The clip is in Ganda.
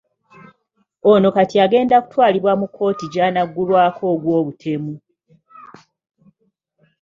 Ono kati agenda kutwalibwa mu kkooti gy'anaggulwako ogw'obutemu.